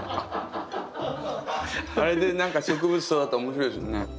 あれで何か植物育ったら面白いですよね。